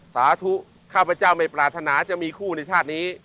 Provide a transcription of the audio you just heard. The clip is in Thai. สาธุข้าพเจ้าไม่ปรารถนาจะมีคู่ในชาตินี้